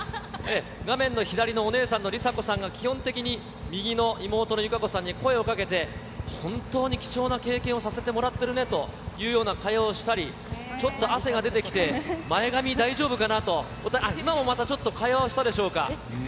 画面の左のお姉さんの梨紗子さんが基本的に右の妹の友香子さんに声をかけて、本当に貴重な経験をさせてもらってるねというような会話をしたり、ちょっと汗が出てきて、前髪大丈夫かなと、今もまたちょっと、会話をしたでしょうか。